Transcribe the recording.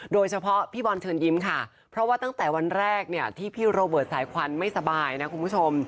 โดยเฉพาะพี่บอลเชิญยิ้มค่ะเพราะว่าตั้งแต่วันแรกเนี่ยที่พี่โรเบิร์ตสายควันไม่สบายนะคุณผู้ชม